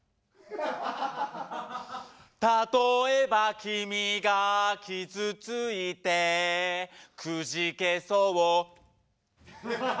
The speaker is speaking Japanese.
「たとえば君が傷ついてくじけそう」